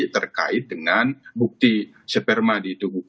terkait dengan bukti sperma di tubuh